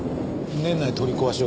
年内取り壊し予定。